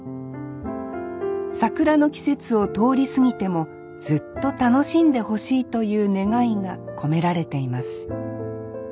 桜の季節を通り過ぎてもずっと楽しんでほしいという願いが込められています